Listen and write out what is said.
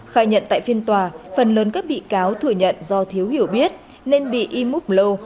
khai nhận tại phiên tòa phần lớn các bị cáo thừa nhận do thiếu hiểu biết nên bị im úp lâu